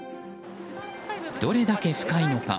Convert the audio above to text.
どれだけ深いのか。